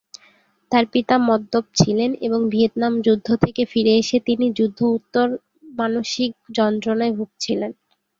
তার পিতা মদ্যপ ছিলেন এবং ভিয়েতনাম যুদ্ধ থেকে ফিরে এসে তিনি যুদ্ধ-উত্তর মানসিক যন্ত্রণায় ভুগছিলেন।